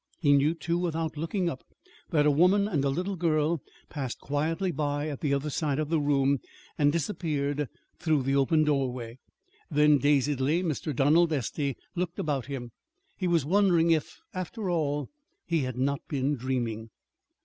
He knew, too, without looking up, that a woman and a little girl passed quietly by at the other side of the room and disappeared through the open doorway. Then, dazedly, Mr. Donald Estey looked about him. He was wondering if, after all, he had not been dreaming.